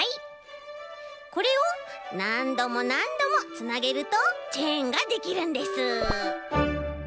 これをなんどもなんどもつなげるとチェーンができるんです。